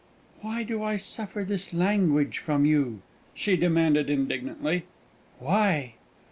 "Why do I suffer this language from you?" she demanded indignantly "why?"